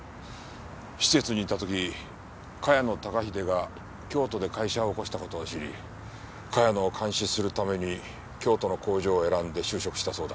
施設にいた時茅野孝英が京都で会社を起こした事を知り茅野を監視するために京都の工場を選んで就職したそうだ。